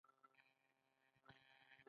د اسماني آسونو نوم ورکړل شوی و